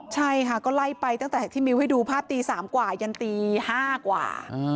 ใช่ค่ะก็ไล่ไปตั้งแต่ที่มิวให้ดูภาพตี๓กว่ายันตี๕กว่า